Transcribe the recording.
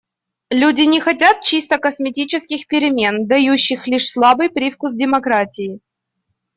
Люди не хотят чисто косметических перемен, дающих лишь слабый привкус демократии.